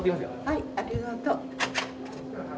はいありがとう。